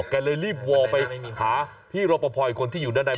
เลยรีบวอลไปหาพี่รปภอีกคนที่อยู่ด้านใน